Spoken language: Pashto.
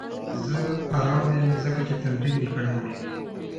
زه ارامه یم ځکه چې تمرین مې کړی دی.